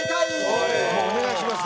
お願いします